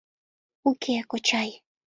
— Уке, кочай.